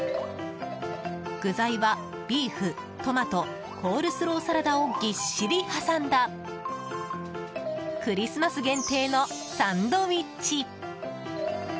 具材はビーフ、トマトコールスローサラダをぎっしり挟んだクリスマス限定のサンドイッチ！